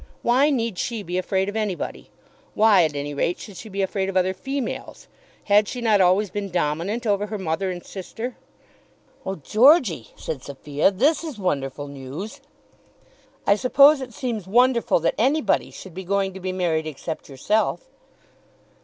Why need she be afraid of anybody? Why, at any rate, should she be afraid of other females? Had she not always been dominant over her mother and sister? "Oh, Georgey," said Sophia, "this is wonderful news!" "I suppose it seems wonderful that anybody should be going to be married except yourself."